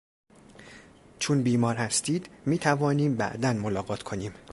چون بیمار هستید میتوانیم بعدا ملاقات کنیم.